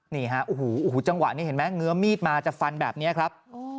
นี่ฮะโอ้โหจังหวะนี้เห็นไหมเงื้อมีดมาจะฟันแบบนี้ครับ